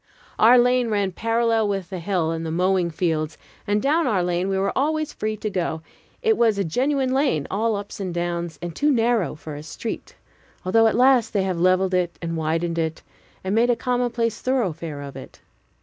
Our lane ran parallel with the hill and the mowing fields, and down our lane we were always free to go. It was a genuine lane, all ups and downs, and too narrow for a street, although at last they have leveled it and widened it, and made a commonplace thoroughfare of it.